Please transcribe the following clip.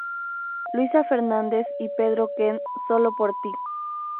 Luisa Fernandez y Pedro Ken Solo Por Ti